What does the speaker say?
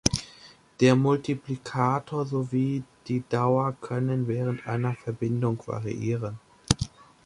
Der Multiplikator sowie die Dauer können während einer Verbindung variieren.